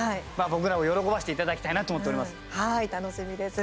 僕らを喜ばせていただきたいなと思っております。